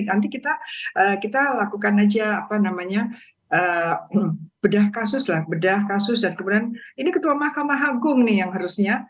nanti kita lakukan aja apa namanya bedah kasus lah bedah kasus dan kemudian ini ketua mahkamah agung nih yang harusnya